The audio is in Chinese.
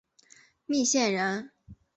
密县人。